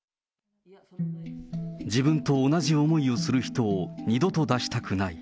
自分と同じ思いをする人を二度と出したくない。